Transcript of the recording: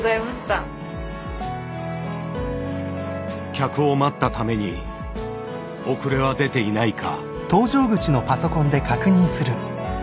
客を待ったために遅れは出ていないか。